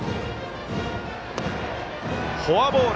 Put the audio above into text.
フォアボール。